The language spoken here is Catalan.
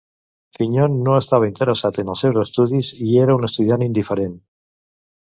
Fignon no estava interessat en els seus estudis i era un estudiant indiferent.